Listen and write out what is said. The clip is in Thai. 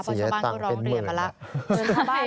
เพราะชาวบ้านก็ร้องเรียนมาแล้ว